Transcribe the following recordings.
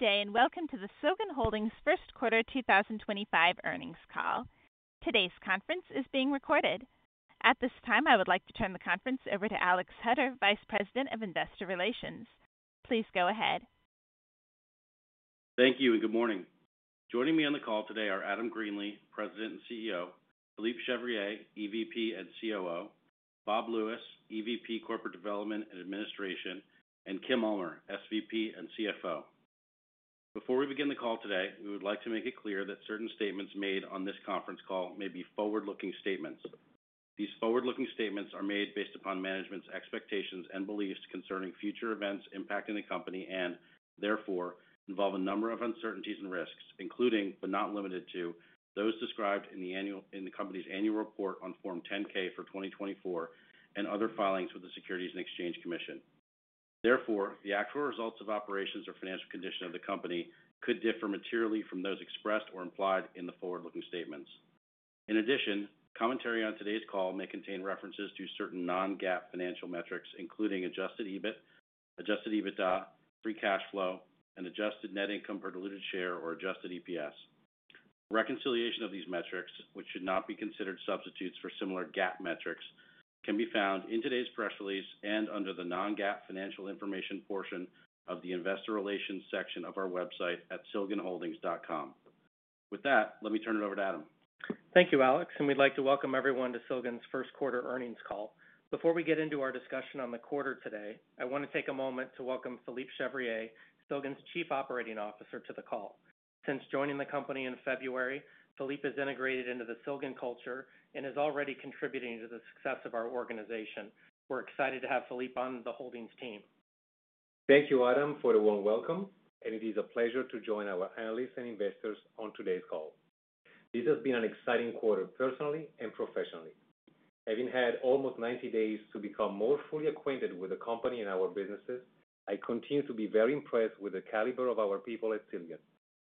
Good day, and welcome to the Silgan Holdings' First Quarter 2025 Earnings Call. Today's conference is being recorded. At this time, I would like to turn the conference over to Alex Hutter, Vice President of Investor Relations. Please go ahead. Thank you, and good morning. Joining me on the call today are Adam Greenlee, President and CEO; Philippe Chevrier, EVP and COO; Bob Lewis, EVP Corporate Development and Administration; and Kim Ulmer, SVP and CFO. Before we begin the call today, we would like to make it clear that certain statements made on this conference call may be forward-looking statements. These forward-looking statements are made based upon management's expectations and beliefs concerning future events impacting the company and, therefore, involve a number of uncertainties and risks, including, but not limited to, those described in the company's annual report on Form 10-K for 2024 and other filings with the Securities and Exchange Commission. Therefore, the actual results of operations or financial condition of the company could differ materially from those expressed or implied in the forward-looking statements. In addition, commentary on today's call may contain references to certain non-GAAP financial metrics, including adjusted EBIT, adjusted EBITDA, free cash flow, and adjusted net income per diluted share, or adjusted EPS. Reconciliation of these metrics, which should not be considered substitutes for similar GAAP metrics, can be found in today's press release and under the non-GAAP financial information portion of the Investor Relations section of our website at silganholdings.com. With that, let me turn it over to Adam. Thank you, Alex, and we'd like to welcome everyone to Silgan's first quarter earnings call. Before we get into our discussion on the quarter today, I want to take a moment to welcome Philippe Chevrier, Silgan's Chief Operating Officer, to the call. Since joining the company in February, Philippe has integrated into the Silgan culture and is already contributing to the success of our organization. We're excited to have Philippe on the holdings team. Thank you, Adam, for the warm welcome, and it is a pleasure to join our analysts and investors on today's call. This has been an exciting quarter, personally and professionally. Having had almost 90 days to become more fully acquainted with the company and our businesses, I continue to be very impressed with the caliber of our people at Silgan,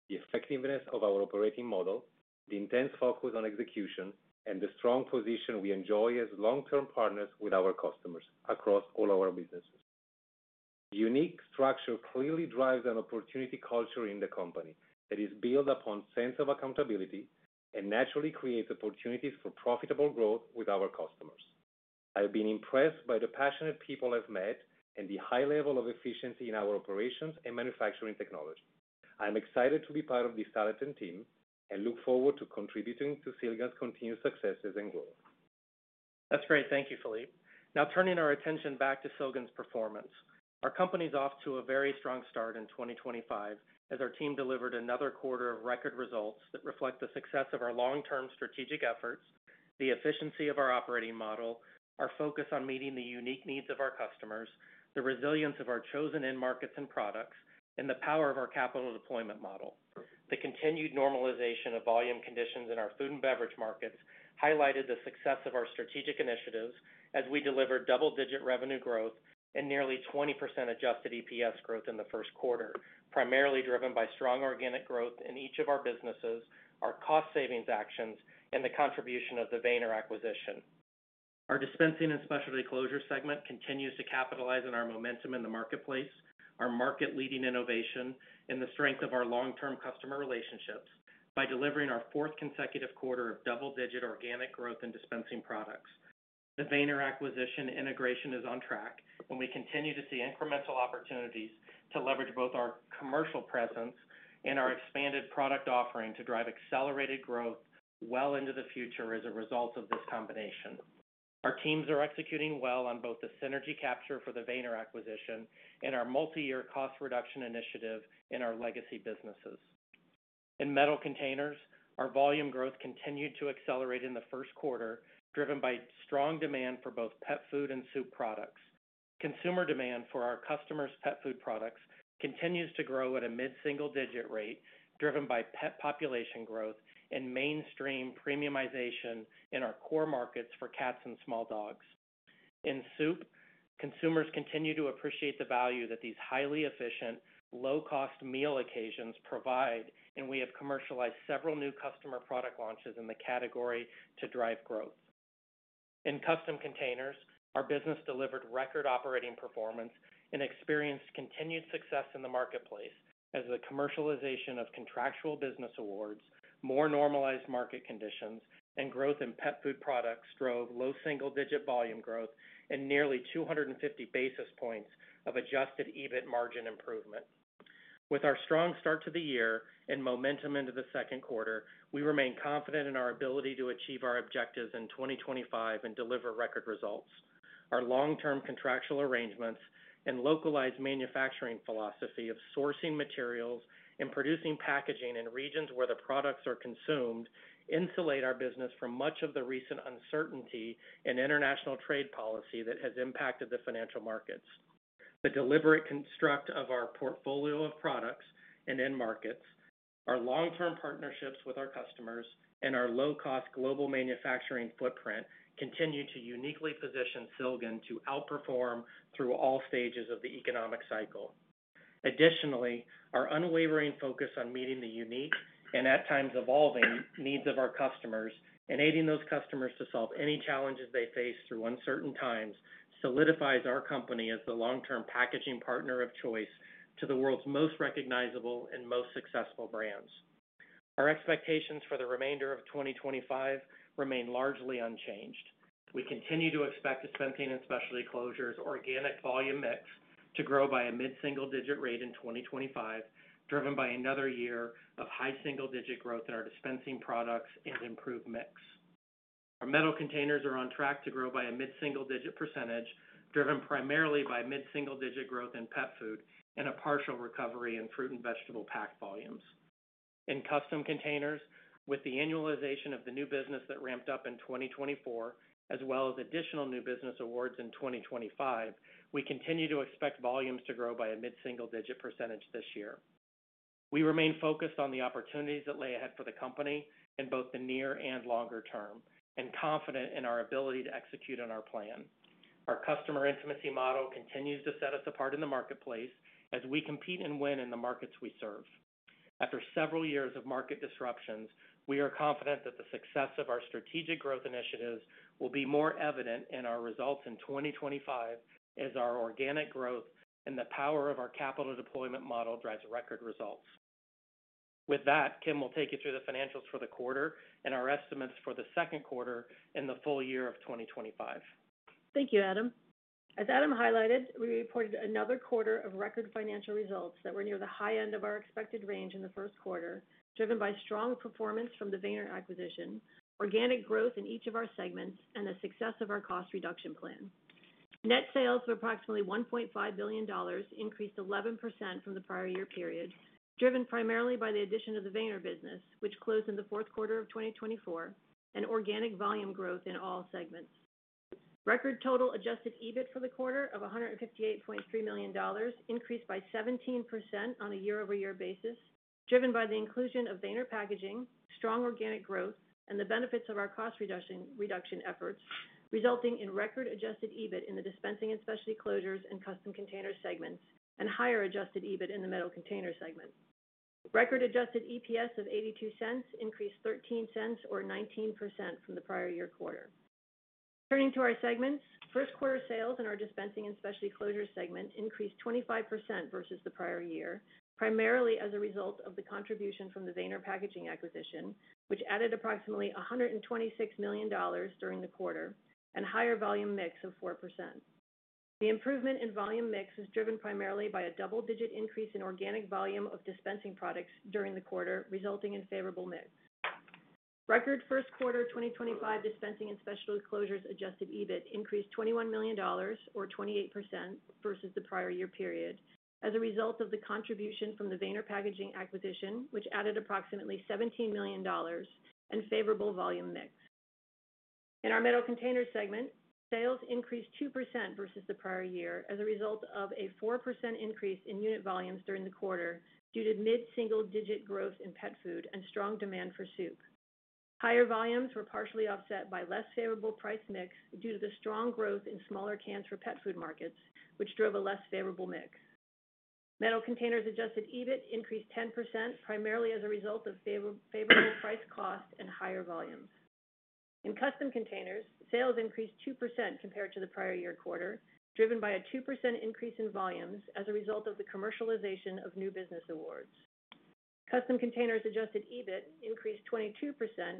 the effectiveness of our operating model, the intense focus on execution, and the strong position we enjoy as long-term partners with our customers across all our businesses. The unique structure clearly drives an opportunity culture in the company that is built upon a sense of accountability and naturally creates opportunities for profitable growth with our customers. I've been impressed by the passionate people I've met and the high level of efficiency in our operations and manufacturing technology. I'm excited to be part of this talented team and look forward to contributing to Silgan's continued successes and growth. That's great. Thank you, Philippe. Now, turning our attention back to Silgan's performance, our company is off to a very strong start in 2025 as our team delivered another quarter of record results that reflect the success of our long-term strategic efforts, the efficiency of our operating model, our focus on meeting the unique needs of our customers, the resilience of our chosen end markets and products, and the power of our capital deployment model. The continued normalization of volume conditions in our food and beverage markets highlighted the success of our strategic initiatives as we delivered double-digit revenue growth and nearly 20% adjusted EPS growth in the first quarter, primarily driven by strong organic growth in each of our businesses, our cost savings actions, and the contribution of the Weener acquisition. Our dispensing and specialty closure segment continues to capitalize on our momentum in the marketplace, our market-leading innovation, and the strength of our long-term customer relationships by delivering our fourth consecutive quarter of double-digit organic growth in dispensing products. The Weener acquisition integration is on track, and we continue to see incremental opportunities to leverage both our commercial presence and our expanded product offering to drive accelerated growth well into the future as a result of this combination. Our teams are executing well on both the synergy capture for the Weener acquisition and our multi-year cost reduction initiative in our legacy businesses. In metal containers, our volume growth continued to accelerate in the first quarter, driven by strong demand for both pet food and soup products. Consumer demand for our customers' pet food products continues to grow at a mid-single-digit rate, driven by pet population growth and mainstream premiumization in our core markets for cats and small dogs. In soup, consumers continue to appreciate the value that these highly efficient, low-cost meal occasions provide, and we have commercialized several new customer product launches in the category to drive growth. In custom containers, our business delivered record operating performance and experienced continued success in the marketplace as the commercialization of contractual business awards, more normalized market conditions, and growth in pet food products drove low single-digit volume growth and nearly 250 basis points of adjusted EBIT margin improvement. With our strong start to the year and momentum into the second quarter, we remain confident in our ability to achieve our objectives in 2025 and deliver record results. Our long-term contractual arrangements and localized manufacturing philosophy of sourcing materials and producing packaging in regions where the products are consumed insulate our business from much of the recent uncertainty in international trade policy that has impacted the financial markets. The deliberate construct of our portfolio of products and end markets, our long-term partnerships with our customers, and our low-cost global manufacturing footprint continue to uniquely position Silgan to outperform through all stages of the economic cycle. Additionally, our unwavering focus on meeting the unique and, at times, evolving needs of our customers and aiding those customers to solve any challenges they face through uncertain times solidifies our company as the long-term packaging partner of choice to the world's most recognizable and most successful brands. Our expectations for the remainder of 2025 remain largely unchanged. We continue to expect dispensing and specialty closures' organic volume mix to grow by a mid-single-digit rate in 2025, driven by another year of high single-digit growth in our dispensing products and improved mix. Our metal containers are on track to grow by a mid-single-digit percentage, driven primarily by mid-single-digit growth in pet food and a partial recovery in fruit and vegetable pack volumes. In custom containers, with the annualization of the new business that ramped up in 2024, as well as additional new business awards in 2025, we continue to expect volumes to grow by a mid-single-digit percentage this year. We remain focused on the opportunities that lie ahead for the company in both the near and longer term and confident in our ability to execute on our plan. Our customer intimacy model continues to set us apart in the marketplace as we compete and win in the markets we serve. After several years of market disruptions, we are confident that the success of our strategic growth initiatives will be more evident in our results in 2025 as our organic growth and the power of our capital deployment model drives record results. With that, Kim will take you through the financials for the quarter and our estimates for the second quarter and the full year of 2025. Thank you, Adam. As Adam highlighted, we reported another quarter of record financial results that were near the high end of our expected range in the first quarter, driven by strong performance from the Weener acquisition, organic growth in each of our segments, and the success of our cost reduction plan. Net sales of approximately $1.5 billion increased 11% from the prior year period, driven primarily by the addition of the Weener business, which closed in the fourth quarter of 2024, and organic volume growth in all segments. Record total adjusted EBIT for the quarter of $158.3 million increased by 17% on a year-over-year basis, driven by the inclusion of Weener Packaging, strong organic growth, and the benefits of our cost reduction efforts, resulting in record adjusted EBIT in the dispensing and specialty closures and custom container segments and higher adjusted EBIT in the metal container segment. Record adjusted EPS of $0.82 increased $0.13, or 19%, from the prior year quarter. Turning to our segments, first quarter sales in our dispensing and specialty closures segment increased 25% versus the prior year, primarily as a result of the contribution from the Weener Packaging acquisition, which added approximately $126 million during the quarter, and higher volume mix of 4%. The improvement in volume mix is driven primarily by a double-digit increase in organic volume of dispensing products during the quarter, resulting in favorable mix. Record first quarter 2025 dispensing and specialty closures adjusted EBIT increased $21 million, or 28%, versus the prior year period, as a result of the contribution from the Weener Packaging acquisition, which added approximately $17 million and favorable volume mix. In our metal container segment, sales increased 2% versus the prior year as a result of a 4% increase in unit volumes during the quarter due to mid-single-digit growth in pet food and strong demand for soup. Higher volumes were partially offset by less favorable price mix due to the strong growth in smaller cans for pet food markets, which drove a less favorable mix. Metal containers adjusted EBIT increased 10%, primarily as a result of favorable price cost and higher volumes. In custom containers, sales increased 2% compared to the prior year quarter, driven by a 2% increase in volumes as a result of the commercialization of new business awards. Custom containers adjusted EBIT increased 22%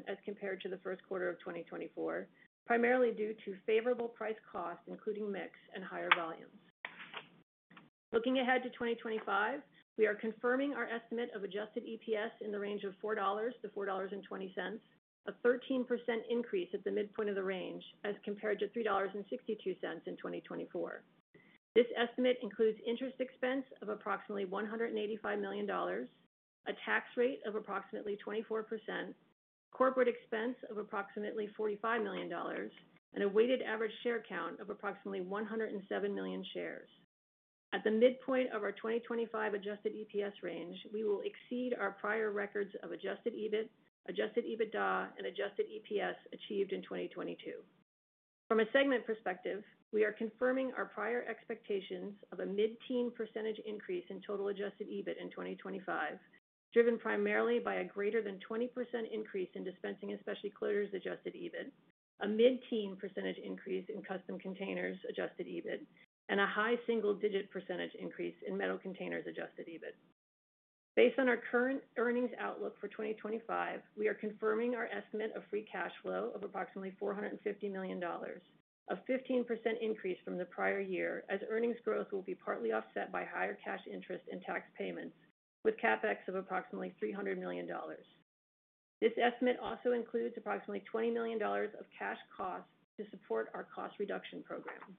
as compared to the first quarter of 2024, primarily due to favorable price cost, including mix, and higher volumes. Looking ahead to 2025, we are confirming our estimate of adjusted EPS in the range of $4-$4.20, a 13% increase at the midpoint of the range as compared to $3.62 in 2024. This estimate includes interest expense of approximately $185 million, a tax rate of approximately 24%, corporate expense of approximately $45 million, and a weighted average share count of approximately 107 million shares. At the midpoint of our 2025 adjusted EPS range, we will exceed our prior records of adjusted EBIT, adjusted EBITDA, and adjusted EPS achieved in 2022. From a segment perspective, we are confirming our prior expectations of a mid-teen % increase in total adjusted EBIT in 2025, driven primarily by a greater than 20% increase in dispensing and specialty closures adjusted EBIT, a mid-teen % increase in custom containers adjusted EBIT, and a high single-digit % increase in metal containers adjusted EBIT. Based on our current earnings outlook for 2025, we are confirming our estimate of free cash flow of approximately $450 million, a 15% increase from the prior year, as earnings growth will be partly offset by higher cash interest and tax payments, with CapEx of approximately $300 million. This estimate also includes approximately $20 million of cash costs to support our cost reduction program.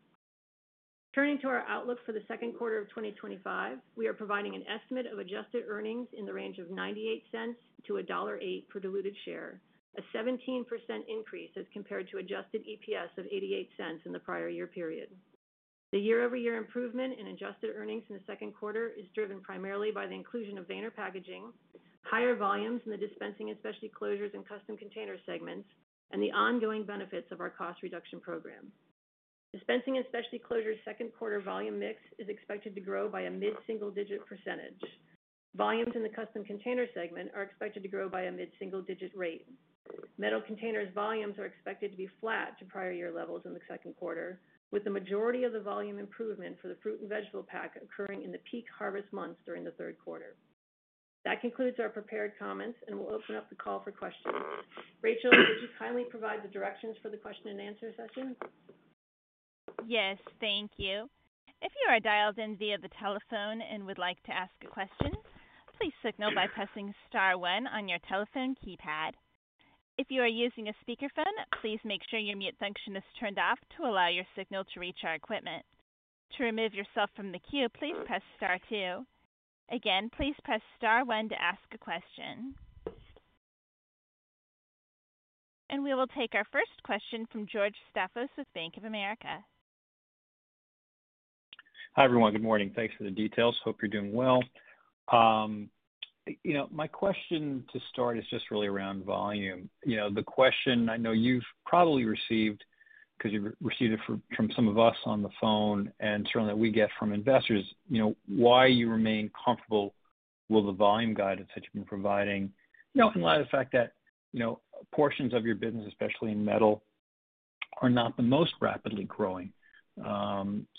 Turning to our outlook for the second quarter of 2025, we are providing an estimate of adjusted earnings in the range of $0.98-$1.08 per diluted share, a 17% increase as compared to adjusted EPS of $0.88 in the prior year period. The year-over-year improvement in adjusted earnings in the second quarter is driven primarily by the inclusion of Weener Packaging, higher volumes in the dispensing and specialty closures and custom container segments, and the ongoing benefits of our cost reduction program. Dispensing and specialty closures' second quarter volume mix is expected to grow by a mid-single-digit %. Volumes in the custom container segment are expected to grow by a mid-single-digit rate. Metal containers' volumes are expected to be flat to prior year levels in the second quarter, with the majority of the volume improvement for the fruit and vegetable pack occurring in the peak harvest months during the third quarter. That concludes our prepared comments and will open up the call for questions. Rachel, could you kindly provide the directions for the question-and-answer session? Yes, thank you. If you are dialed in via the telephone and would like to ask a question, please signal by pressing star oneon your telephone keypad. If you are using a speakerphone, please make sure your mute function is turned off to allow your signal to reach our equipment. To remove yourself from the queue, please press star 2. Again, please press star 1 to ask a question. We will take our first question from George Staphos with Bank of America. Hi everyone, good morning. Thanks for the details. Hope you're doing well. You know, my question to start is just really around volume. You know, the question I know you've probably received because you've received it from some of us on the phone and certainly that we get from investors, you know, why you remain comfortable with the volume guide that you've been providing, you know, in light of the fact that, you know, portions of your business, especially in metal, are not the most rapidly growing,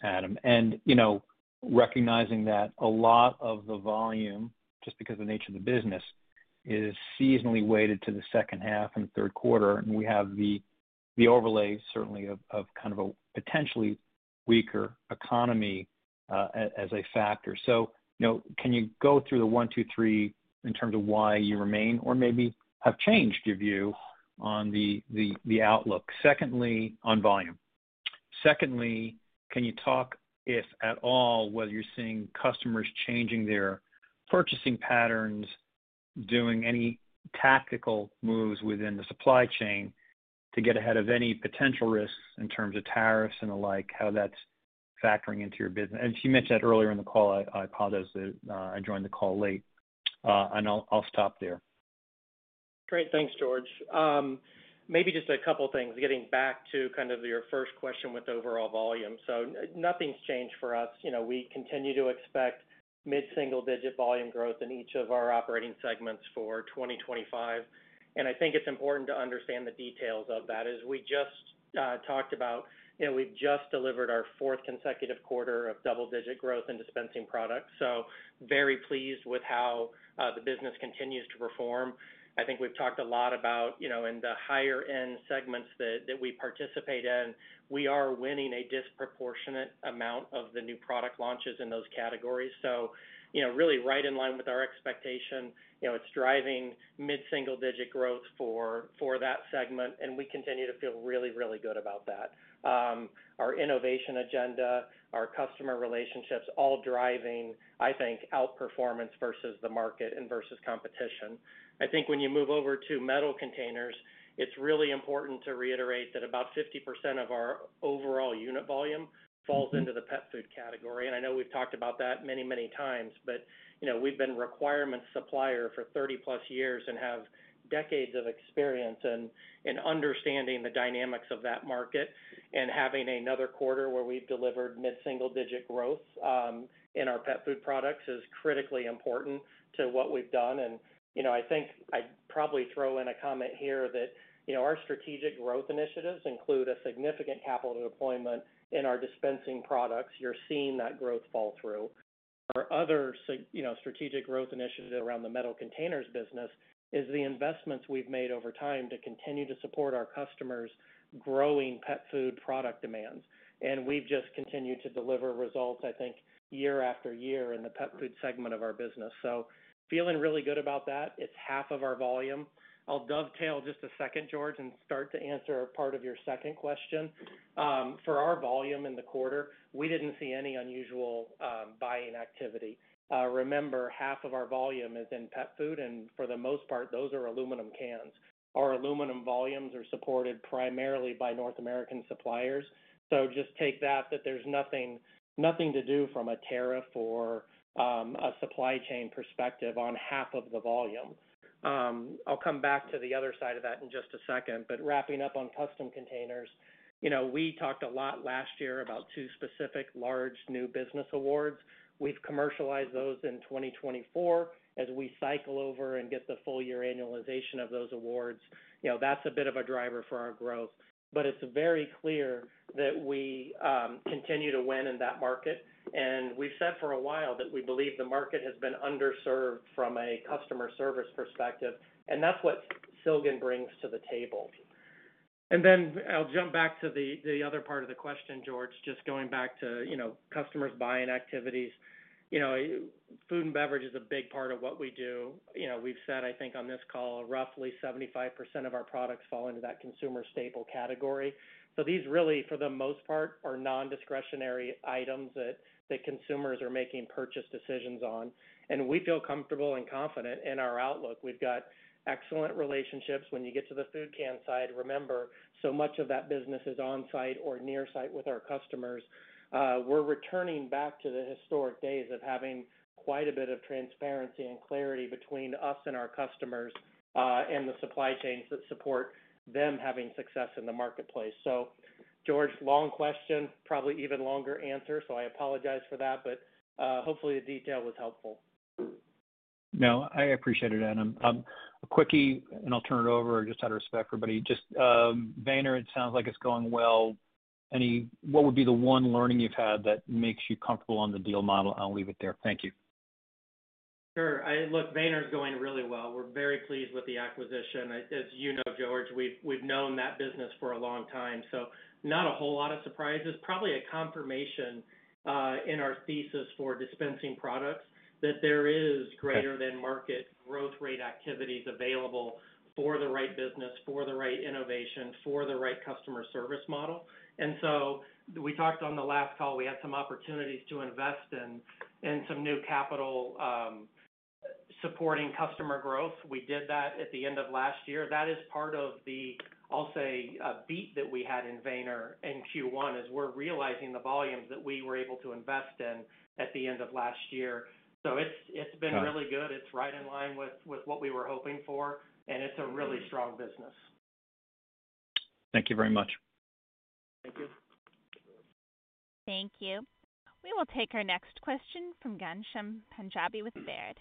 Adam. You know, recognizing that a lot of the volume, just because of the nature of the business, is seasonally weighted to the second half and third quarter, and we have the overlay, certainly, of kind of a potentially weaker economy as a factor. You know, can you go through the one, two, three in terms of why you remain or maybe have changed your view on the outlook? Secondly, on volume. Secondly, can you talk, if at all, whether you're seeing customers changing their purchasing patterns, doing any tactical moves within the supply chain to get ahead of any potential risks in terms of tariffs and the like, how that's factoring into your business? She mentioned that earlier in the call. I apologize that I joined the call late. I'll stop there. Great. Thanks, George. Maybe just a couple of things. Getting back to kind of your first question with overall volume. Nothing's changed for us. You know, we continue to expect mid-single-digit volume growth in each of our operating segments for 2025. I think it's important to understand the details of that, as we just talked about, you know, we've just delivered our fourth consecutive quarter of double-digit growth in dispensing products. Very pleased with how the business continues to perform. I think we've talked a lot about, you know, in the higher-end segments that we participate in, we are winning a disproportionate amount of the new product launches in those categories. You know, really right in line with our expectation, you know, it's driving mid-single-digit growth for that segment, and we continue to feel really, really good about that. Our innovation agenda, our customer relationships, all driving, I think, outperformance versus the market and versus competition. I think when you move over to metal containers, it's really important to reiterate that about 50% of our overall unit volume falls into the pet food category. I know we've talked about that many, many times, but, you know, we've been a requirement supplier for 30-plus years and have decades of experience in understanding the dynamics of that market. Having another quarter where we've delivered mid-single-digit growth in our pet food products is critically important to what we've done. You know, I think I'd probably throw in a comment here that, you know, our strategic growth initiatives include a significant capital deployment in our dispensing products. You're seeing that growth fall through. Our other, you know, strategic growth initiative around the metal containers business is the investments we've made over time to continue to support our customers' growing pet food product demands. And we've just continued to deliver results, I think, year after year in the pet food segment of our business. So feeling really good about that. It's half of our volume. I'll dovetail just a second, George, and start to answer part of your second question. For our volume in the quarter, we didn't see any unusual buying activity. Remember, half of our volume is in pet food, and for the most part, those are aluminum cans. Our aluminum volumes are supported primarily by North American suppliers. So just take that, that there's nothing to do from a tariff or a supply chain perspective on half of the volume. I'll come back to the other side of that in just a second. Wrapping up on custom containers, you know, we talked a lot last year about two specific large new business awards. We've commercialized those in 2024 as we cycle over and get the full year annualization of those awards. You know, that's a bit of a driver for our growth. It's very clear that we continue to win in that market. We've said for a while that we believe the market has been underserved from a customer service perspective. That's what Silgan brings to the table. I'll jump back to the other part of the question, George, just going back to, you know, customers' buying activities. You know, food and beverage is a big part of what we do. You know, we've said, I think, on this call, roughly 75% of our products fall into that consumer staple category. These really, for the most part, are non-discretionary items that consumers are making purchase decisions on. We feel comfortable and confident in our outlook. We've got excellent relationships. When you get to the food can side, remember, so much of that business is on-site or near-site with our customers. We're returning back to the historic days of having quite a bit of transparency and clarity between us and our customers and the supply chains that support them having success in the marketplace. George, long question, probably even longer answer. I apologize for that, but hopefully the detail was helpful. No, I appreciate it, Adam. A quickie, and I'll turn it over just out of respect for everybody. Just, Weener, it sounds like it's going well. Any, what would be the one learning you've had that makes you comfortable on the deal model? I'll leave it there. Thank you. Sure. I look, Weener is going really well. We're very pleased with the acquisition. As you know, George, we've known that business for a long time. Not a whole lot of surprises, probably a confirmation in our thesis for dispensing products that there is greater-than-market growth rate activities available for the right business, for the right innovation, for the right customer service model. We talked on the last call, we had some opportunities to invest in some new capital supporting customer growth. We did that at the end of last year. That is part of the, I'll say, beat that we had in Weener in Q1, as we're realizing the volumes that we were able to invest in at the end of last year. It's been really good. It's right in line with what we were hoping for, and it's a really strong business. Thank you very much. Thank you. We will take our next question from Ghansham Panjabi with Baird.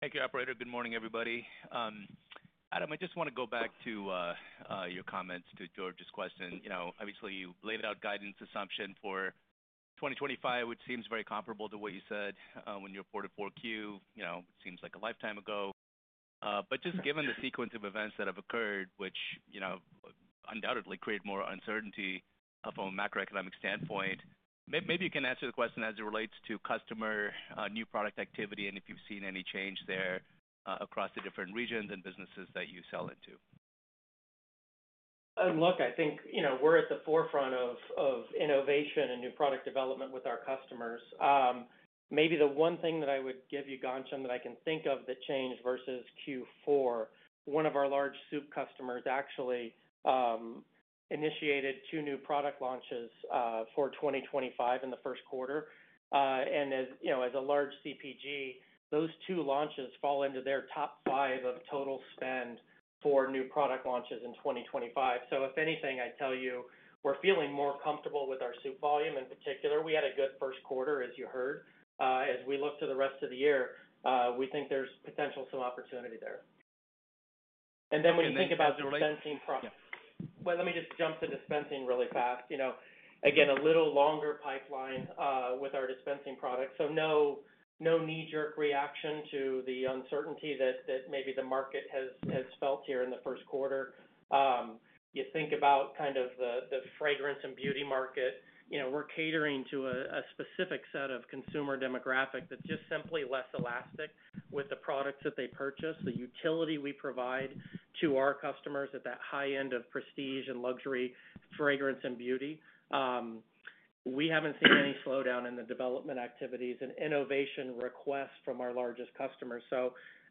Thank you, operator. Good morning, everybody. Adam, I just want to go back to your comments to George's question. You know, obviously, you laid out guidance assumption for 2025, which seems very comparable to what you said when you reported Q4, you know, which seems like a lifetime ago. But just given the sequence of events that have occurred, which, you know, undoubtedly create more uncertainty from a macroeconomic standpoint, maybe you can answer the question as it relates to customer new product activity and if you've seen any change there across the different regions and businesses that you sell into. Look, I think, you know, we're at the forefront of innovation and new product development with our customers. Maybe the one thing that I would give you, Gansham, that I can think of that changed versus Q4, one of our large soup customers actually initiated two new product launches for 2025 in the first quarter. As you know, as a large CPG, those two launches fall into their top five of total spend for new product launches in 2025. If anything, I tell you, we're feeling more comfortable with our soup volume in particular. We had a good first quarter, as you heard. As we look to the rest of the year, we think there's potential, some opportunity there. We think about dispensing product. Let me just jump to dispensing really fast. You know, again, a little longer pipeline with our dispensing product. No knee-jerk reaction to the uncertainty that maybe the market has felt here in the first quarter. You think about kind of the fragrance and beauty market, you know, we're catering to a specific set of consumer demographic that's just simply less elastic with the products that they purchase, the utility we provide to our customers at that high end of prestige and luxury, fragrance and beauty. We haven't seen any slowdown in the development activities and innovation requests from our largest customers.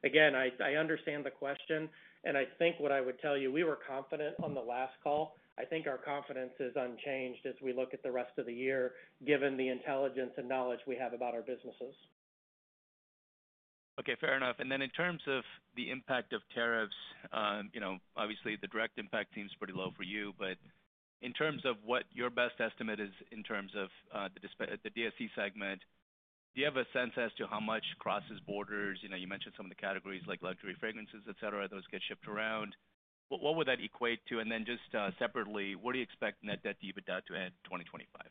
Again, I understand the question. I think what I would tell you, we were confident on the last call. I think our confidence is unchanged as we look at the rest of the year, given the intelligence and knowledge we have about our businesses. Okay, fair enough. In terms of the impact of tariffs, you know, obviously the direct impact seems pretty low for you, but in terms of what your best estimate is in terms of the DSC segment, do you have a sense as to how much crosses borders? You know, you mentioned some of the categories like luxury fragrances, et cetera. Those get shipped around. What would that equate to? Just separately, what do you expect net debt to even down to end 2025?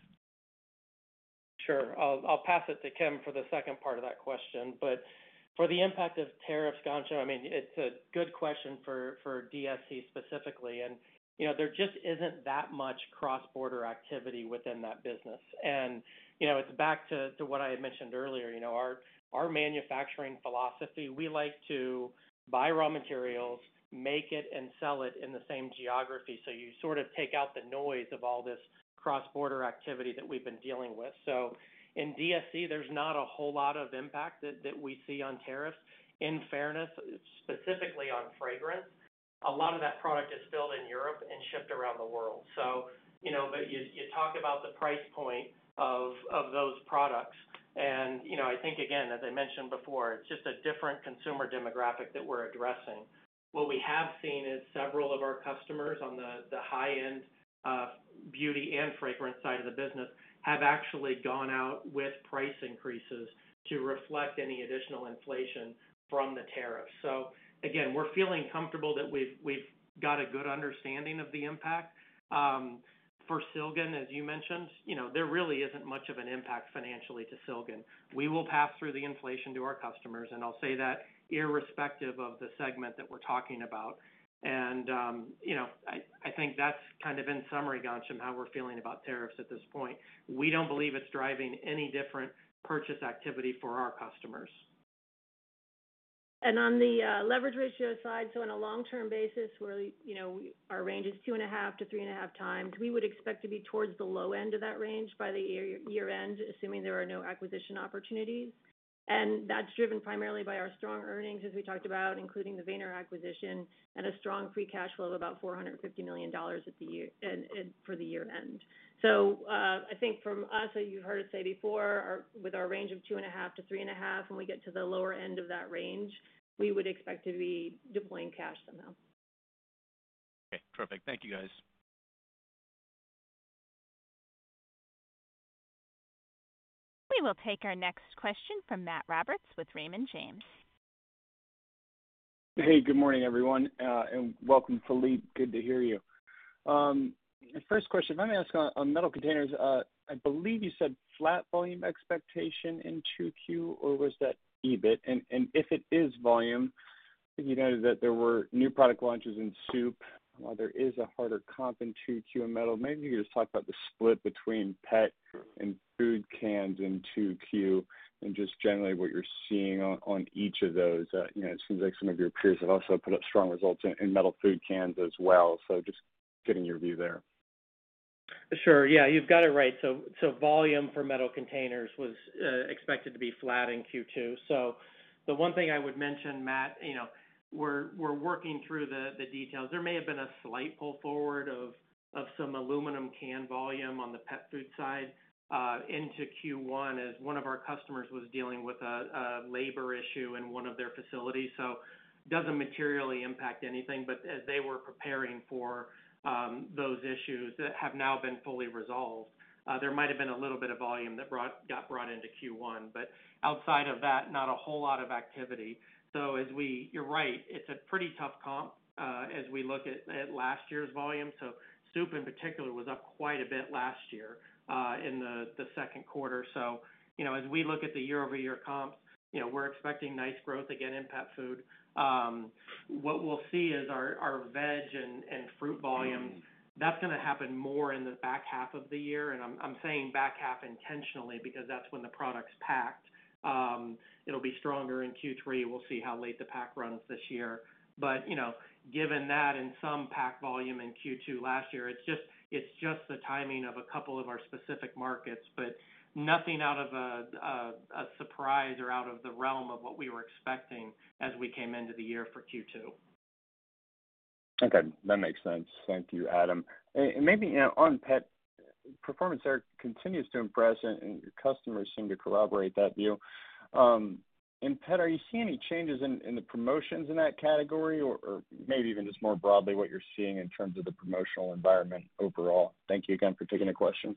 Sure. I'll pass it to Kim for the second part of that question. For the impact of tariffs, Gansham, I mean, it's a good question for DSC specifically. You know, there just isn't that much cross-border activity within that business. You know, it's back to what I had mentioned earlier. You know, our manufacturing philosophy, we like to buy raw materials, make it, and sell it in the same geography. You sort of take out the noise of all this cross-border activity that we've been dealing with. In DSC, there's not a whole lot of impact that we see on tariffs. In fairness, specifically on fragrance, a lot of that product is filled in Europe and shipped around the world. You know, you talk about the price point of those products. You know, I think, again, as I mentioned before, it's just a different consumer demographic that we're addressing. What we have seen is several of our customers on the high-end beauty and fragrance side of the business have actually gone out with price increases to reflect any additional inflation from the tariffs. You know, we're feeling comfortable that we've got a good understanding of the impact. For Silgan, as you mentioned, you know, there really isn't much of an impact financially to Silgan. We will pass through the inflation to our customers. I'll say that irrespective of the segment that we're talking about. You know, I think that's kind of in summary, Gansham, how we're feeling about tariffs at this point. We don't believe it's driving any different purchase activity for our customers. On the leverage ratio side, on a long-term basis, where you know our range is two and a half to three and a half times, we would expect to be towards the low end of that range by the year end, assuming there are no acquisition opportunities. That is driven primarily by our strong earnings, as we talked about, including the Weener acquisition and a strong free cash flow of about $450 million at the year end for the year end. I think from us, as you have heard it said before, with our range of two and a half to three and a half, when we get to the lower end of that range, we would expect to be deploying cash somehow. Okay, perfect. Thank you, guys. We will take our next question from Matt Roberts with Raymond James. Hey, good morning, everyone, and welcome, Philippe. Good to hear you. First question, let me ask on metal containers. I believe you said flat volume expectation in 2Q or was that EBIT? And if it is volume, you know that there were new product launches in soup. There is a harder comp in 2Q in metal. Maybe you could just talk about the split between pet and food cans in 2Q and just generally what you're seeing on each of those. You know, it seems like some of your peers have also put up strong results in metal food cans as well. Just getting your view there. Sure. Yeah, you've got it right. So volume for metal containers was expected to be flat in Q2. The one thing I would mention, Matt, you know, we're working through the details. There may have been a slight pull forward of some aluminum can volume on the pet food side into Q1 as one of our customers was dealing with a labor issue in one of their facilities. It doesn't materially impact anything, but as they were preparing for those issues that have now been fully resolved, there might have been a little bit of volume that got brought into Q1. Outside of that, not a whole lot of activity. You're right, it's a pretty tough comp as we look at last year's volume. Soup in particular was up quite a bit last year in the second quarter. You know, as we look at the year-over-year comps, you know, we're expecting nice growth again in pet food. What we'll see is our veg and fruit volumes, that's going to happen more in the back half of the year. I'm saying back half intentionally because that's when the product's packed. It'll be stronger in Q3. We'll see how late the pack runs this year. You know, given that and some pack volume in Q2 last year, it's just the timing of a couple of our specific markets, but nothing out of a surprise or out of the realm of what we were expecting as we came into the year for Q2. Okay, that makes sense. Thank you, Adam. Maybe on pet, performance there continues to impress, and customers seem to corroborate that view. In pet, are you seeing any changes in the promotions in that category or maybe even just more broadly what you're seeing in terms of the promotional environment overall? Thank you again for taking the questions.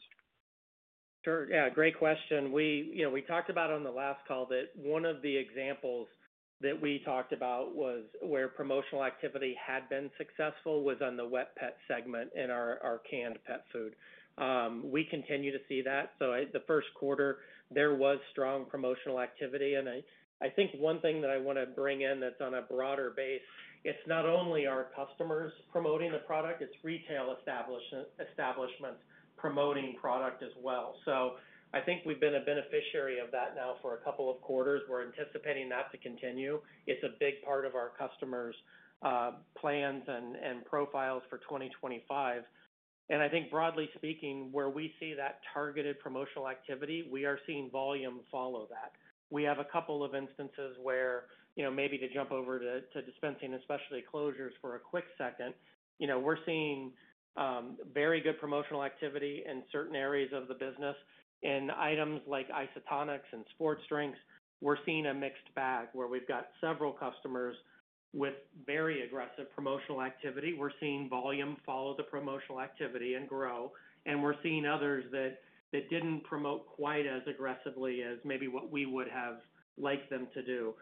Sure. Yeah, great question. We, you know, we talked about on the last call that one of the examples that we talked about was where promotional activity had been successful was on the wet pet segment in our canned pet food. We continue to see that. The first quarter, there was strong promotional activity. I think one thing that I want to bring in that's on a broader base, it's not only our customers promoting the product, it's retail establishments promoting product as well. I think we've been a beneficiary of that now for a couple of quarters. We're anticipating that to continue. It's a big part of our customers' plans and profiles for 2025. I think broadly speaking, where we see that targeted promotional activity, we are seeing volume follow that. We have a couple of instances where, you know, maybe to jump over to dispensing, especially closures for a quick second, you know, we're seeing very good promotional activity in certain areas of the business. In items like isotonics and sports drinks, we're seeing a mixed bag where we've got several customers with very aggressive promotional activity. We're seeing volume follow the promotional activity and grow. We're seeing others that didn't promote quite as aggressively as maybe what we would have liked them to do.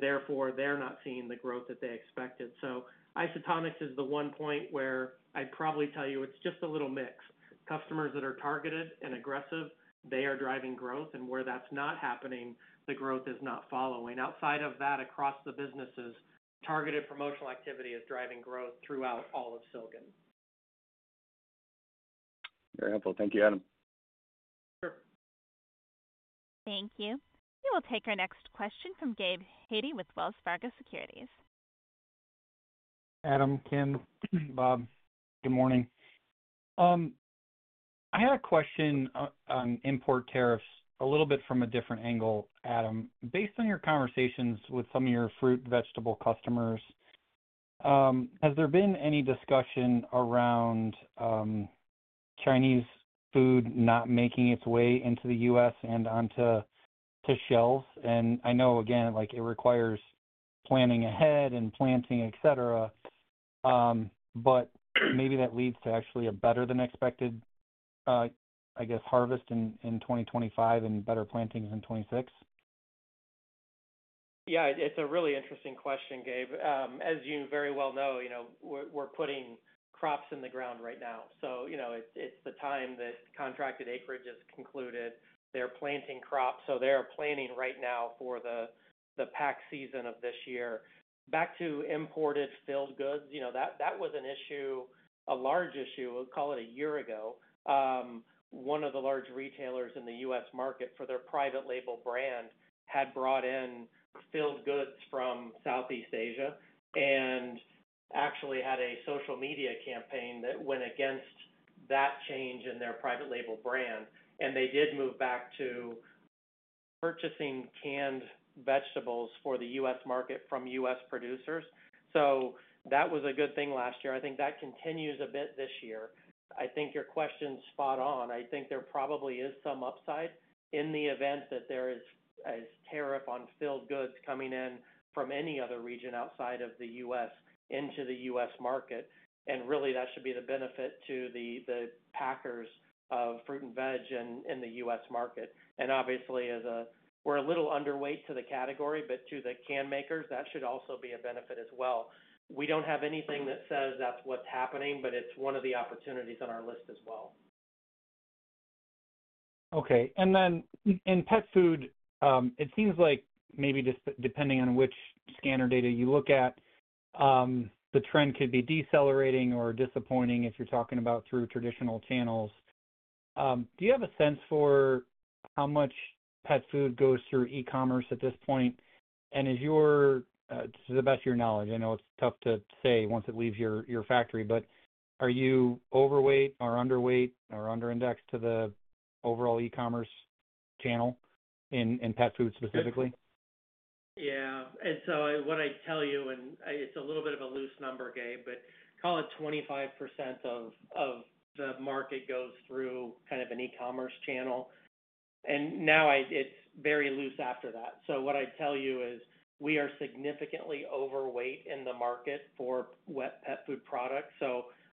Therefore, they're not seeing the growth that they expected. Isotonics is the one point where I'd probably tell you it's just a little mix. Customers that are targeted and aggressive, they are driving growth. Where that's not happening, the growth is not following. Outside of that, across the businesses, targeted promotional activity is driving growth throughout all of Silgan. Very helpful. Thank you, Adam. Sure. Thank you. We will take our next question from Gabe Hajde with Wells Fargo Securities. Adam, Kim, Bob, good morning. I had a question on import tariffs a little bit from a different angle, Adam. Based on your conversations with some of your fruit and vegetable customers, has there been any discussion around Chinese food not making its way into the U.S. and onto shelves? I know, again, like it requires planning ahead and planting, et cetera, but maybe that leads to actually a better than expected, I guess, harvest in 2025 and better plantings in 2026? Yeah, it's a really interesting question, Gabe. As you very well know, you know, we're putting crops in the ground right now. You know, it's the time that contracted acreage has concluded. They're planting crops. They are planning right now for the pack season of this year. Back to imported filled goods, you know, that was an issue, a large issue, call it a year ago. One of the large retailers in the U.S. market for their private label brand had brought in filled goods from Southeast Asia and actually had a social media campaign that went against that change in their private label brand. They did move back to purchasing canned vegetables for the U.S. market from U.S. producers. That was a good thing last year. I think that continues a bit this year. I think your question's spot on. I think there probably is some upside in the event that there is tariff on filled goods coming in from any other region outside of the U.S. into the U.S. market. That should be the benefit to the packers of fruit and veg in the U.S. market. Obviously, as a, we're a little underweight to the category, but to the can makers, that should also be a benefit as well. We do not have anything that says that's what's happening, but it's one of the opportunities on our list as well. Okay. In pet food, it seems like maybe just depending on which scanner data you look at, the trend could be decelerating or disappointing if you're talking about through traditional channels. Do you have a sense for how much pet food goes through e-commerce at this point? Is your, to the best of your knowledge, I know it's tough to say once it leaves your factory, but are you overweight or underweight or under-indexed to the overall e-commerce channel in pet food specifically? Yeah. What I tell you, and it's a little bit of a loose number, Gabe, but call it 25% of the market goes through kind of an e-commerce channel. Now it's very loose after that. What I tell you is we are significantly overweight in the market for wet pet food products.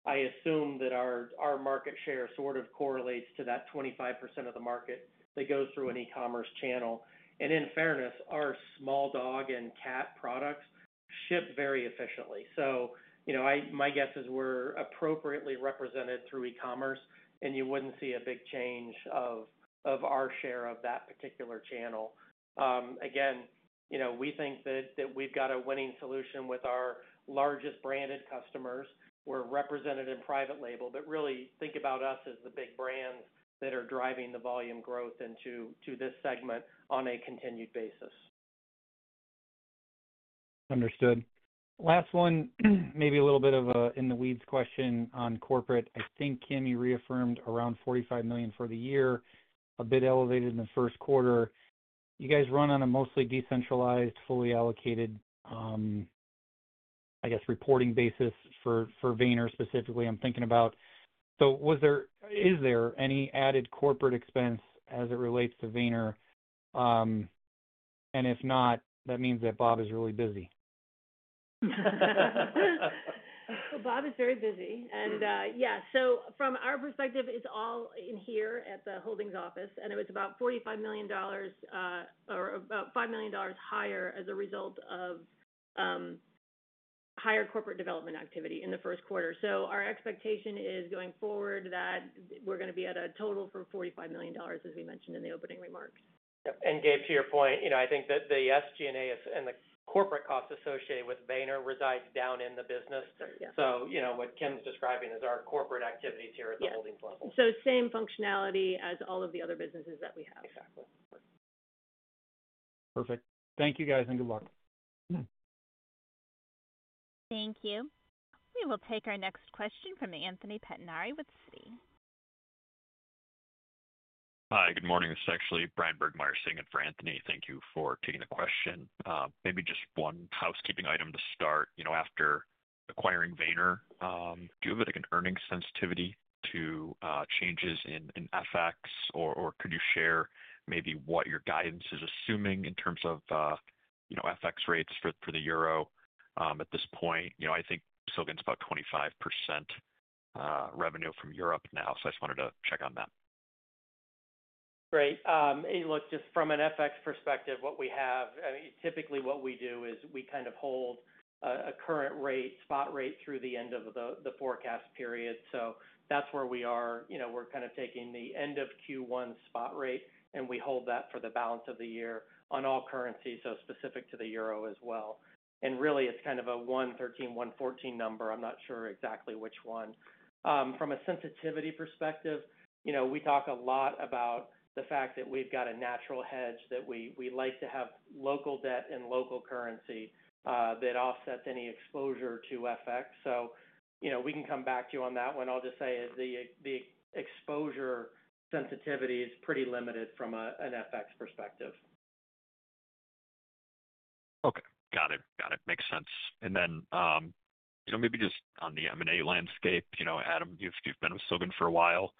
I assume that our market share sort of correlates to that 25% of the market that goes through an e-commerce channel. In fairness, our small dog and cat products ship very efficiently. You know, my guess is we're appropriately represented through e-commerce, and you wouldn't see a big change of our share of that particular channel. Again, you know, we think that we've got a winning solution with our largest branded customers. We're represented in private label, but really think about us as the big brands that are driving the volume growth into this segment on a continued basis. Understood. Last one, maybe a little bit of an in-the-weeds question on corporate. I think, Kim, you reaffirmed around $45 million for the year, a bit elevated in the first quarter. You guys run on a mostly decentralized, fully allocated, I guess, reporting basis for Weener specifically. I'm thinking about, so was there, is there any added corporate expense as it relates to Weener? And if not, that means that Bob is really busy. Bob is very busy. Yeah, from our perspective, it's all in here at the Holdings office. It was about $45 million or about $5 million higher as a result of higher corporate development activity in the first quarter. Our expectation is going forward that we're going to be at a total for $45 million, as we mentioned in the opening remarks. Gabe, to your point, you know, I think that the SG&A and the corporate costs associated with Weener reside down in the business. You know, what Kim's describing is our corporate activities here at the holdings level. Same functionality as all of the other businesses that we have. Exactly. Perfect. Thank you, guys, and good luck. Thank you. We will take our next question from Anthony Pettinari with Citi. Hi, good morning. This is actually Bryan Burgmeier sitting in for Anthony. Thank you for taking the question. Maybe just one housekeeping item to start, you know, after acquiring Weener, do you have like an earnings sensitivity to changes in FX, or could you share maybe what your guidance is assuming in terms of, you know, FX rates for the euro at this point? You know, I think Silgan's about 25% revenue from Europe now, so I just wanted to check on that. Great. Look, just from an FX perspective, what we have, typically what we do is we kind of hold a current rate, spot rate through the end of the forecast period. That is where we are. You know, we are kind of taking the end of Q1 spot rate, and we hold that for the balance of the year on all currencies, so specific to the euro as well. Really, it is kind of a 1.13, 1.14 number. I am not sure exactly which one. From a sensitivity perspective, you know, we talk a lot about the fact that we have got a natural hedge that we like to have local debt in local currency that offsets any exposure to FX. You know, we can come back to you on that one. I will just say the exposure sensitivity is pretty limited from an FX perspective. Okay. Got it. Got it. Makes sense. You know, maybe just on the M&A landscape, you know, Adam, you've been with Silgan for a while.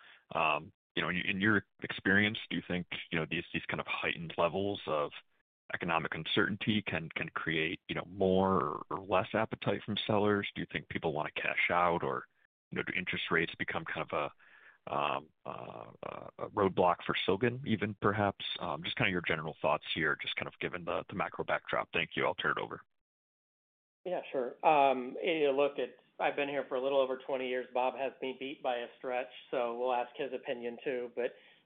You know, in your experience, do you think, you know, these kind of heightened levels of economic uncertainty can create, you know, more or less appetite from sellers? Do you think people want to cash out or, you know, do interest rates become kind of a roadblock for Silgan even, perhaps? Just kind of your general thoughts here, just kind of given the macro backdrop. Thank you. I'll turn it over. Yeah, sure. You look at, I've been here for a little over 20 years. Bob has me beat by a stretch, so we'll ask his opinion too.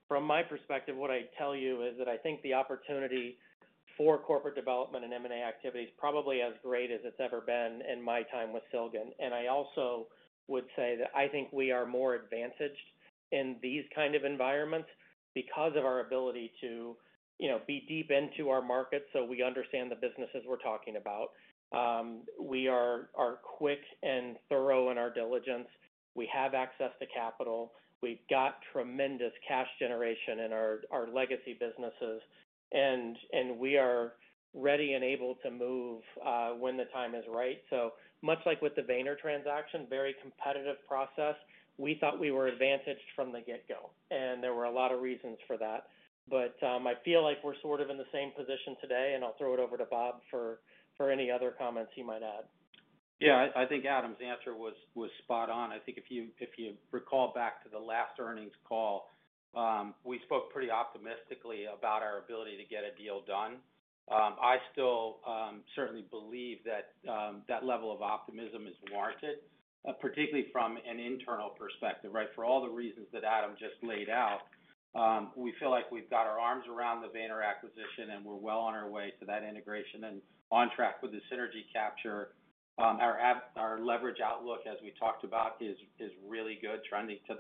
From my perspective, what I tell you is that I think the opportunity for corporate development and M&A activity is probably as great as it's ever been in my time with Silgan. I also would say that I think we are more advantaged in these kind of environments because of our ability to, you know, be deep into our markets. We understand the businesses we're talking about. We are quick and thorough in our diligence. We have access to capital. We've got tremendous cash generation in our legacy businesses. We are ready and able to move when the time is right. Much like with the Weener transaction, very competitive process, we thought we were advantaged from the get-go. There were a lot of reasons for that. I feel like we're sort of in the same position today, and I'll throw it over to Bob for any other comments he might add. Yeah, I think Adam's answer was spot on. I think if you recall back to the last earnings call, we spoke pretty optimistically about our ability to get a deal done. I still certainly believe that that level of optimism is warranted, particularly from an internal perspective, right? For all the reasons that Adam just laid out, we feel like we've got our arms around the Weener acquisition, and we're well on our way to that integration and on track with the synergy capture. Our leverage outlook, as we talked about, is really good, trending to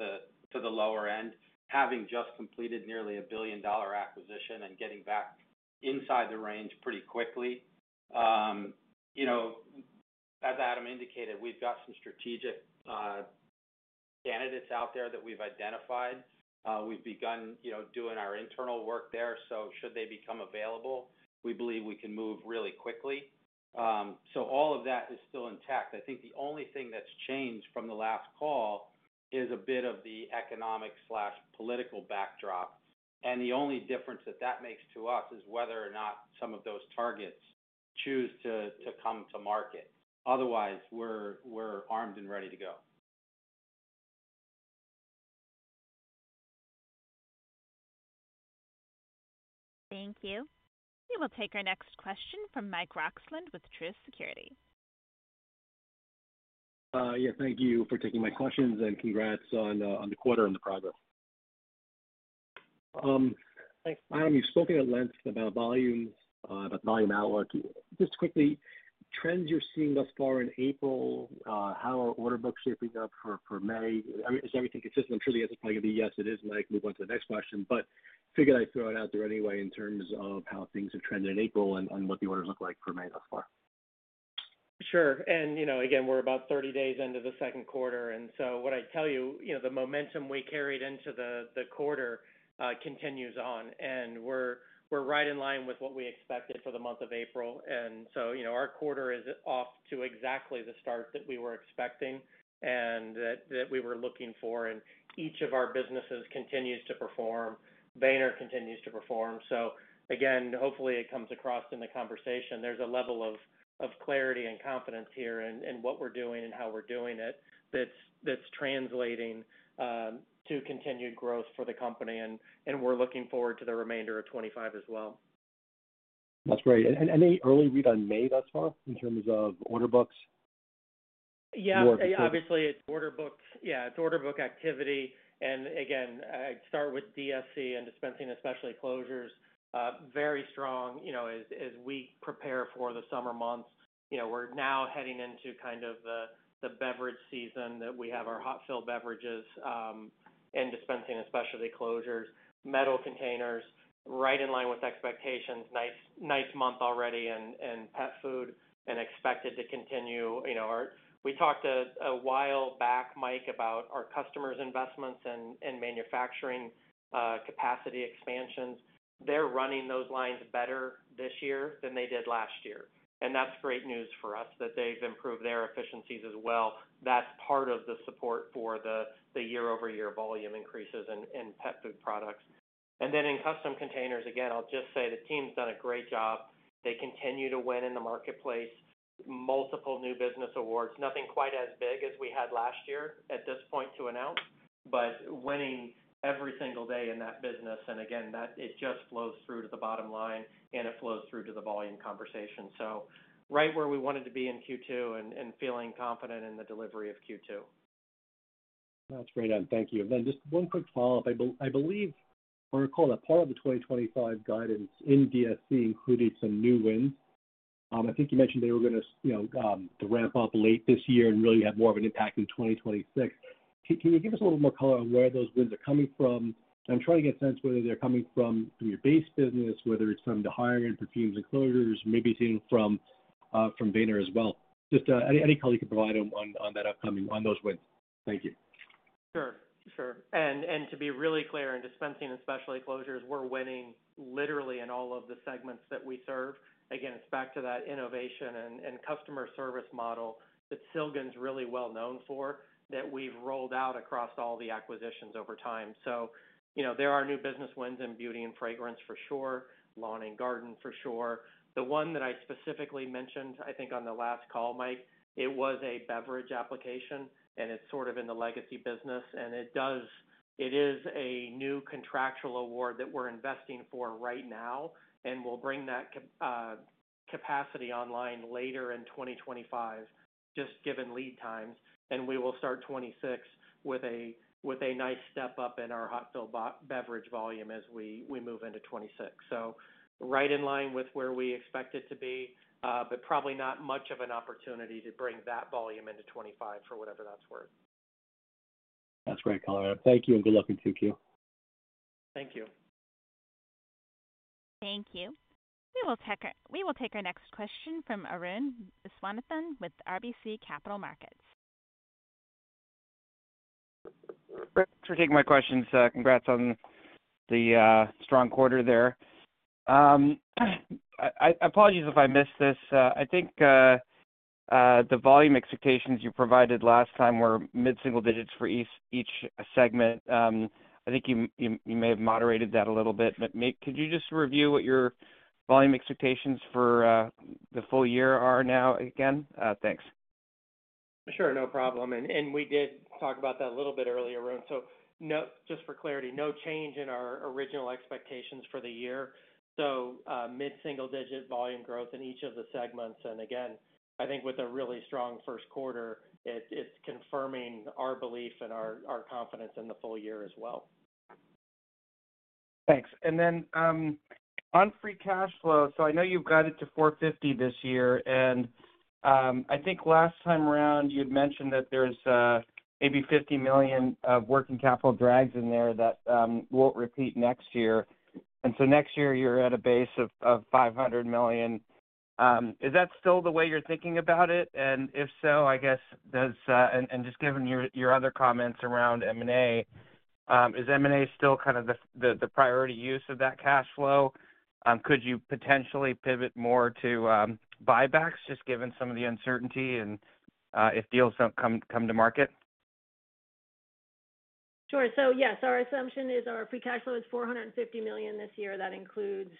the lower end, having just completed nearly a $1 billion acquisition and getting back inside the range pretty quickly. You know, as Adam indicated, we've got some strategic candidates out there that we've identified. We've begun, you know, doing our internal work there. Should they become available, we believe we can move really quickly. All of that is still intact. I think the only thing that's changed from the last call is a bit of the economic/political backdrop. The only difference that that makes to us is whether or not some of those targets choose to come to market. Otherwise, we're armed and ready to go. Thank you. We will take our next question from Mike Roxland with Truist Securities. Yeah, thank you for taking my questions and congrats on the quarter and the progress. Thanks, Adam. You've spoken at length about volumes, about volume outlook. Just quickly, trends you're seeing thus far in April, how are order books shaping up for May? Is everything consistent? I'm sure the answer's probably going to be yes, it is, and I move on to the next question. Figure I throw it out there anyway in terms of how things have trended in April and what the orders look like for May thus far. Sure. You know, again, we're about 30 days into the second quarter. What I tell you, you know, the momentum we carried into the quarter continues on. We're right in line with what we expected for the month of April. You know, our quarter is off to exactly the start that we were expecting and that we were looking for. Each of our businesses continues to perform. Weener continues to perform. Hopefully it comes across in the conversation. There's a level of clarity and confidence here in what we're doing and how we're doing it that's translating to continued growth for the company. We're looking forward to the remainder of 2025 as well. That's great. Any early read on May thus far in terms of order books? Yeah, obviously it's order book, yeah, it's order book activity. Again, I start with DSC and dispensing and specialty closures. Very strong, you know, as we prepare for the summer months. You know, we're now heading into kind of the beverage season that we have our hot-fill beverages and dispensing and specialty closures. Metal containers, right in line with expectations, nice month already and pet food and expected to continue. You know, we talked a while back, Mike, about our customers' investments and manufacturing capacity expansions. They're running those lines better this year than they did last year. That's great news for us that they've improved their efficiencies as well. That's part of the support for the year-over-year volume increases in pet food products. Then in custom containers, again, I'll just say the team's done a great job. They continue to win in the marketplace, multiple new business awards, nothing quite as big as we had last year at this point to announce, but winning every single day in that business. That just flows through to the bottom line and it flows through to the volume conversation. Right where we wanted to be in Q2 and feeling confident in the delivery of Q2. That's great, Adam. Thank you. Just one quick follow-up. I believe we're going to call that part of the 2025 guidance in DSC included some new wins. I think you mentioned they were going to, you know, ramp up late this year and really have more of an impact in 2026. Can you give us a little more color on where those wins are coming from? I'm trying to get a sense whether they're coming from your base business, whether it's from the higher-end perfumes and closures, maybe even from Weener as well. Just any color you can provide on that upcoming, on those wins. Thank you. Sure. To be really clear, in dispensing and specialty closures, we're winning literally in all of the segments that we serve. Again, it's back to that innovation and customer service model that Silgan's really well known for that we've rolled out across all the acquisitions over time. You know, there are new business wins in beauty and fragrance for sure, lawn and garden for sure. The one that I specifically mentioned, I think on the last call, Mike, it was a beverage application and it's sort of in the legacy business. It is a new contractual award that we're investing for right now and we'll bring that capacity online later in 2025, just given lead times. We will start 2026 with a nice step up in our hot filled beverage volume as we move into 2026. Right in line with where we expect it to be, but probably not much of an opportunity to bring that volume into 2025 for whatever that's worth. That's great, Colin. Thank you and good luck in Q2. Thank you. Thank you. We will take our next question from Arun Viswanathan with RBC Capital Markets. Thanks for taking my questions. Congrats on the strong quarter there. I apologize if I missed this. I think the volume expectations you provided last time were mid-single digits for each segment. I think you may have moderated that a little bit. Mike, could you just review what your volume expectations for the full year are now again? Thanks. Sure, no problem. We did talk about that a little bit earlier, Arun. Just for clarity, no change in our original expectations for the year. Mid-single digit volume growth in each of the segments. I think with a really strong first quarter, it is confirming our belief and our confidence in the full year as well. Thanks. On free cash flow, I know you have it to $450 million this year. I think last time around, you had mentioned that there is maybe $50 million of working capital drags in there that will not repeat next year. Next year, you are at a base of $500 million. Is that still the way you are thinking about it? If so, I guess, just given your other comments around M&A, is M&A still kind of the priority use of that cash flow? Could you potentially pivot more to buybacks, just given some of the uncertainty and if deals do not come to market? Sure. Yes, our assumption is our free cash flow is $450 million this year. That includes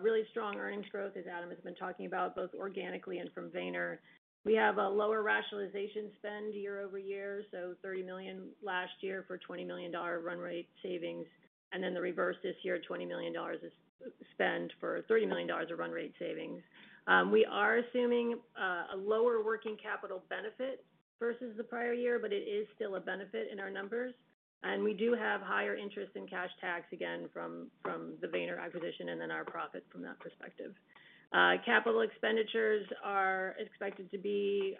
really strong earnings growth, as Adam has been talking about, both organically and from Weener. We have a lower rationalization spend year over year, so $30 million last year for $20 million run rate savings. The reverse this year, $20 million is spend for $30 million of run rate savings. We are assuming a lower working capital benefit versus the prior year, but it is still a benefit in our numbers. We do have higher interest and cash tax again from the Weener acquisition and then our profits from that perspective. Capital expenditures are expected to be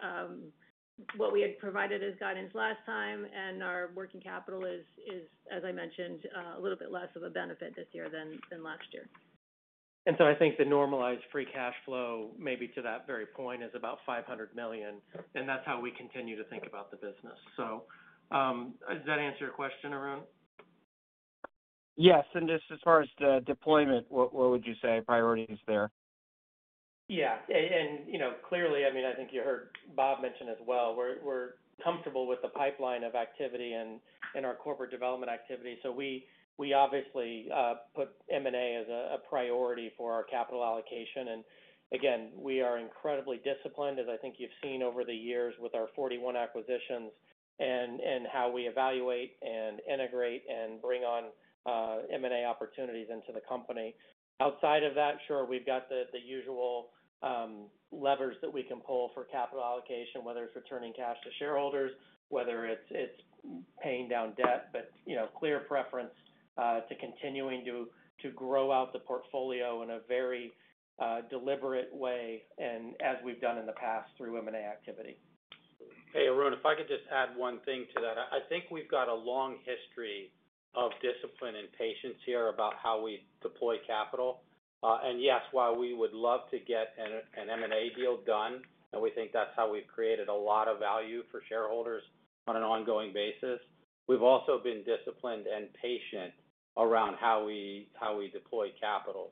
what we had provided as guidance last time. Our working capital is, as I mentioned, a little bit less of a benefit this year than last year. I think the normalized free cash flow maybe to that very point is about $500 million. That is how we continue to think about the business. Does that answer your question, Arun? Yes. Just as far as the deployment, what would you say priorities there? Yeah. You know, clearly, I mean, I think you heard Bob mention as well, we're comfortable with the pipeline of activity and our corporate development activity. We obviously put M&A as a priority for our capital allocation. Again, we are incredibly disciplined, as I think you've seen over the years with our 41 acquisitions and how we evaluate and integrate and bring on M&A opportunities into the company. Outside of that, sure, we've got the usual levers that we can pull for capital allocation, whether it's returning cash to shareholders, whether it's paying down debt, you know, clear preference to continuing to grow out the portfolio in a very deliberate way and as we've done in the past through M&A activity. Hey, Arun, if I could just add one thing to that. I think we've got a long history of discipline and patience here about how we deploy capital. Yes, while we would love to get an M&A deal done, and we think that's how we've created a lot of value for shareholders on an ongoing basis, we've also been disciplined and patient around how we deploy capital.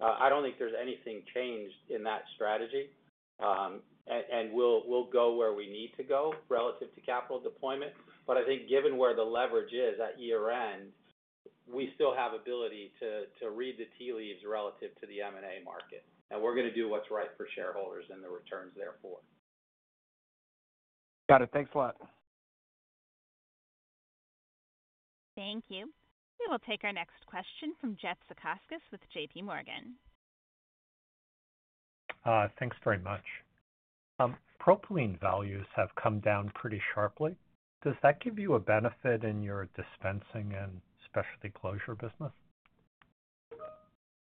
I don't think there's anything changed in that strategy. We'll go where we need to go relative to capital deployment. I think given where the leverage is at year-end, we still have ability to read the tea leaves relative to the M&A market. We're going to do what's right for shareholders and the returns therefore. Got it. Thanks a lot. Thank you. We will take our next question from Jeff Zekauskas with J.P. Morgan. Thanks very much. Propylene values have come down pretty sharply. Does that give you a benefit in your dispensing and specialty closure business?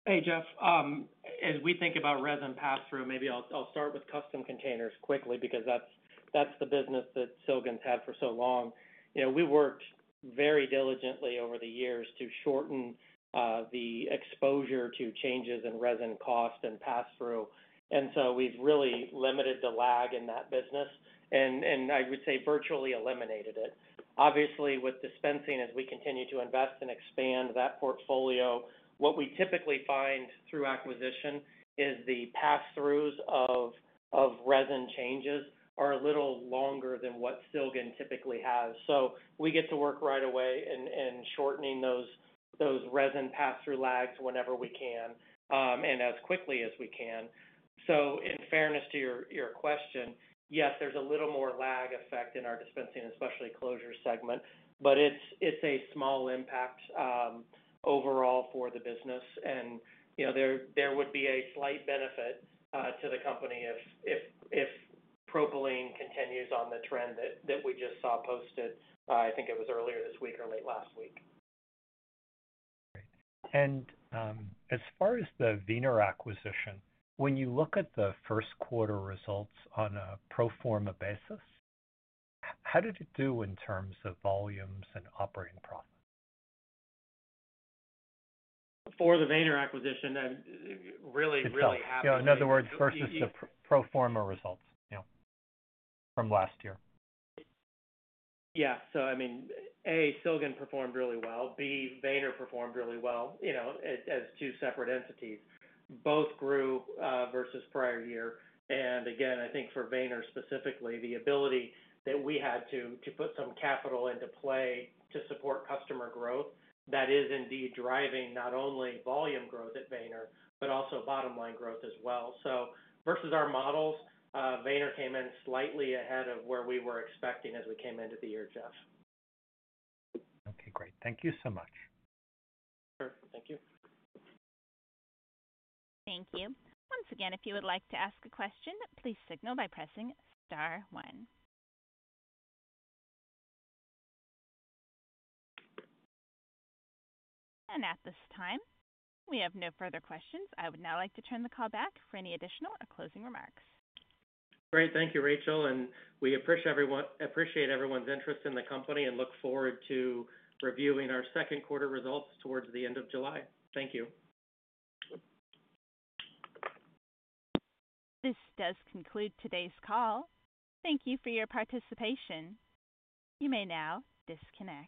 Hey, Jeff. As we think about resin pass-through, maybe I'll start with custom containers quickly because that's the business that Silgan's had for so long. You know, we worked very diligently over the years to shorten the exposure to changes in resin cost and pass-through. We have really limited the lag in that business. I would say virtually eliminated it. Obviously, with dispensing, as we continue to invest and expand that portfolio, what we typically find through acquisition is the pass-throughs of resin changes are a little longer than what Silgan typically has. We get to work right away in shortening those resin pass-through lags whenever we can and as quickly as we can. In fairness to your question, yes, there's a little more lag effect in our dispensing and specialty closure segment, but it's a small impact overall for the business. You know, there would be a slight benefit to the company if propylene continues on the trend that we just saw posted. I think it was earlier this week or late last week. As far as the Weener acquisition, when you look at the first quarter results on a pro forma basis, how did it do in terms of volumes and operating profit? For the Weener acquisition, really, really happy. In other words, versus the pro forma results, yeah, from last year. Yeah. I mean, A, Silgan performed really well. B, Weener performed really well, you know, as two separate entities. Both grew versus prior year. Again, I think for Weener specifically, the ability that we had to put some capital into play to support customer growth, that is indeed driving not only volume growth at Weener, but also bottom line growth as well. Versus our models, Weener came in slightly ahead of where we were expecting as we came into the year, Jeff. Okay, great. Thank you so much. Thank you. Once again, if you would like to ask a question, please signal by pressing star one. At this time, we have no further questions. I would now like to turn the call back for any additional or closing remarks. Great. Thank you, Rachel. We appreciate everyone's interest in the company and look forward to reviewing our second quarter results towards the end of July. Thank you. This does conclude today's call. Thank you for your participation. You may now disconnect.